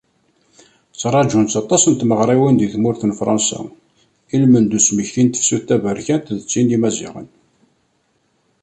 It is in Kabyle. Tturaǧunt-tt aṭas n tmeɣriwin deg tmurt n Fransa ilmend n usmeki s tefsut taberkant d tin n yimaziɣen.